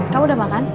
kamu udah makan